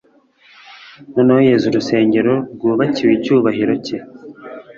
noneho yeza urusengero rwubakiwe icyubahiro cye.